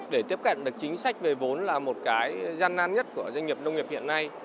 để tiếp cận được chính sách về vốn là một cái gian nan nhất của doanh nghiệp nông nghiệp hiện nay